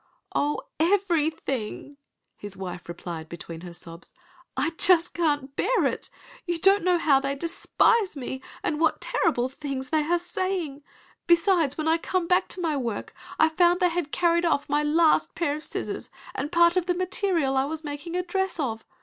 "Oh, everything," his wife replied between her sobs. "I just can't bear it. You don't know how they despise me and what terrible things they are saying. Besides when I came back to my work I found they had carried off my last pair of scissors and part of the material I was making a dress of.